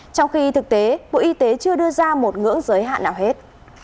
trong khi thực tế bộ y tế chưa đưa ra một ngưỡng giới hạn nào hết